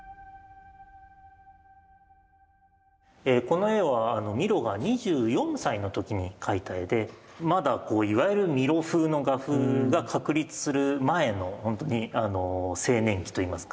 この絵はミロが２４歳の時に描いた絵でまだいわゆるミロ風の画風が確立する前のほんとに青年期といいますか。